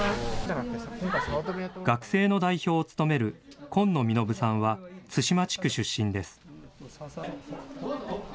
学生の代表を務める今野実永さんは、津島地区出身です。